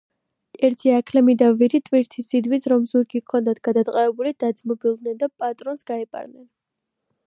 ერთი აქლემი და ვირი, ტვირთის ზიდვით რომ ზურგი ჰქონდათ გადატყავებული, დაძმობილდნენ და პატრონს გაეპარნენ.